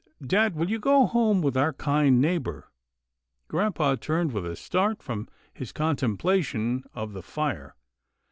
Dad, will you go home with our kind neighbour?" Grampa turned with a start from his contemplation of the fire.